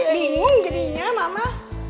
bingung jadinya mama